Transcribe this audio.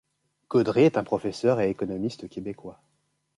Gaudry est un professeur et économiste québécois.